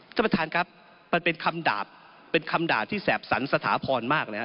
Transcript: สำหรับท่านครับมันเป็นคำดาบเป็นคำดาบที่แสบสรรสถาพรมากนะครับ